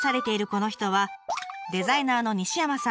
この人はデザイナーの西山さん。